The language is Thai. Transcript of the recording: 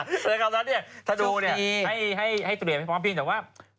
ในคำนั้นเนี่ยทะนูเนี่ยให้ตุเรียนไปพร้อมเพียงแต่ว่า